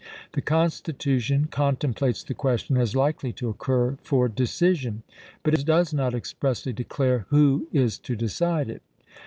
The Constitution contemplates the question as likely to occur for decision, but it does not expressly declare who is to decide it.